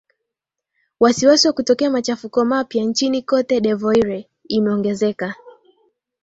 wasiwasi wa kutokea machafuko mapya nchini cote de voire imeongezeka